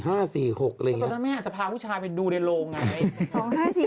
ตอนนั้นแม่อาจจะพาผู้ชายไปดูในโรงไง